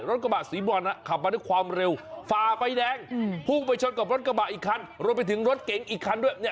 กระบะสีบอลขับมาด้วยความเร็วฝ่าไฟแดงพุ่งไปชนกับรถกระบะอีกคันรวมไปถึงรถเก๋งอีกคันด้วยเนี่ย